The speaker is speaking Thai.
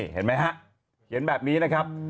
เห็นไหมฮะเขียนแบบนี้นะครับ